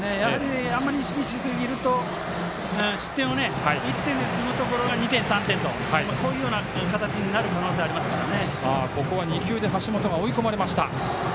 あんまり意識しすぎると失点を１点で済むところが２点、３点とこういうような形になりますから。